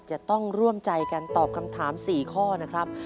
จะต้องร่วมใจกันตอบคำถาม๔ข้อนะครับ